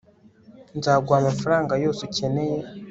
nzaguha amafaranga yose ukeneye